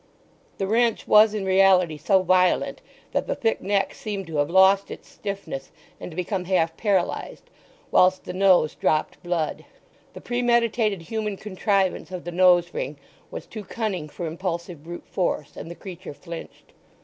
The wrench was in reality so violent that the thick neck seemed to have lost its stiffness and to become half paralyzed, whilst the nose dropped blood. The premeditated human contrivance of the nose ring was too cunning for impulsive brute force, and the creature flinched.